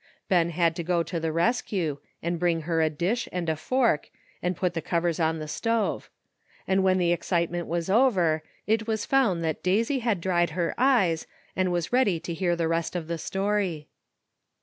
Ben had to go to the rescue, and bring her a dish and a fork, and put the covers on the stove ; and when the ex citement was over, it was found that Daisy had dried her eyes, and was ready to hear the rest of the story.